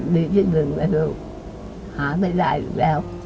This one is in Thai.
ดีจริงนะลูกหาไม่ได้อีกแล้ว